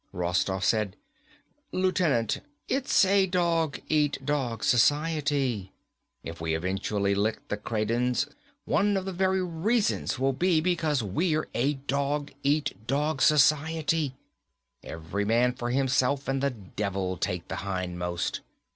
Rostoff said, "Lieutenant, it's a dog eat dog society. If we eventually lick the Kradens, one of the very reasons will be because we're a dog eat dog society. Every man for himself and the devil take the hindmost.